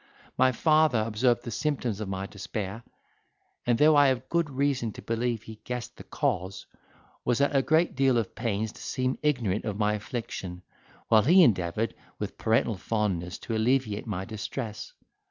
My father observed the symptoms of my despair: and though I have good reason to believe he guessed the cause, was at a great deal of pains to seem ignorant of my affliction, while he endeavoured with parental fondness to alleviate my distress.